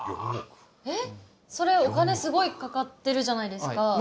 えっそれお金すごいかかってるじゃないですか。